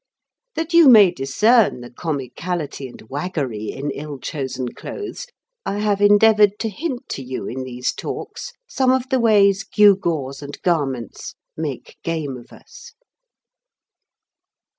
That you may discern the comicality and waggery in ill chosen clothes, I have endeavored to hint to you in these talks some of the ways gew gaws and garments make game of us.